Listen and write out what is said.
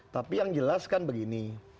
tapi yang jelas kan begini